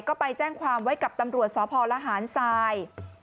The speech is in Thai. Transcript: ก็ไปแจ้งความไว้กับตำรวจสพลหารทราย